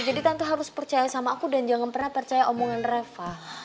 jadi tante harus percaya sama aku dan jangan pernah percaya omongan reva